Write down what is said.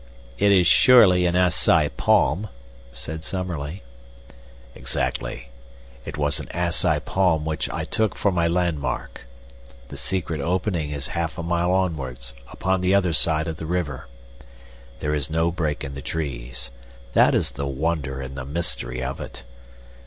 "It is surely an Assai palm," said Summerlee. "Exactly. It was an Assai palm which I took for my landmark. The secret opening is half a mile onwards upon the other side of the river. There is no break in the trees. That is the wonder and the mystery of it.